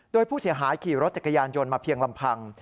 โดยผู้เสียหายขี่รถจักรยานยนต์มาเพียงลำพัง